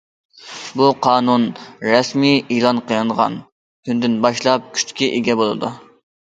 بۇ قانۇن رەسمىي ئېلان قىلىنغان كۈندىن باشلاپ كۈچكە ئىگە بولىدۇ.